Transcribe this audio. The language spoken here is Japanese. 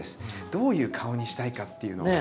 どういう顔にしたいかっていうのを。